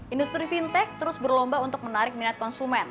industri fintech terus berlomba untuk menarik minat konsumen